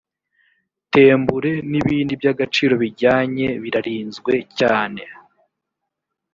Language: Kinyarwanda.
tembure n’ ibindi by’ agaciro bijyanye birarinzwe cyane